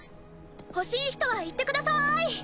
欲しい人は言ってください！